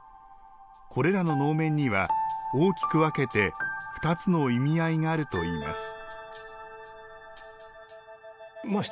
これらの能面には大きく分けて２つの意味合いがあるといいます。